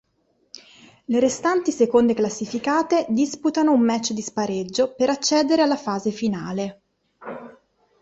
Le restanti seconde classificate disputano un match di spareggio per accedere alla fase finale.